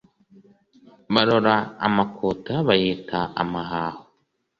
Barora amakuta, bayita amahaho;